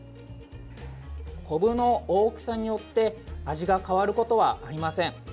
こぶの大きさによって味が変わることはありません。